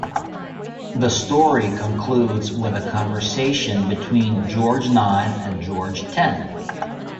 The story concludes with a conversation between George Nine and George Ten.